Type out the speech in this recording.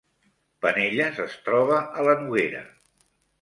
Penelles es troba a la Noguera